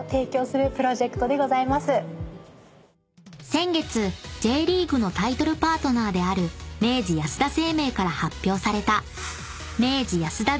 ［先月Ｊリーグのタイトルパートナーである明治安田生命から発表された］